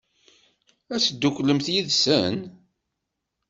Ad tedduklemt yid-sen?